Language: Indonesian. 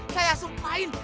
saya sup main